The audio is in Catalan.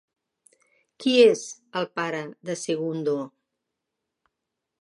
Qui és el pare de Segundo?